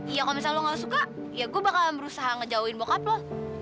iya kalau misalnya lo nggak suka ya gue bakal berusaha ngejauhin bokap lo